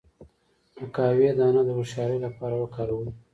د قهوې دانه د هوښیارۍ لپاره وکاروئ